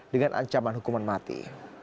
dengan ancaman hukuman mati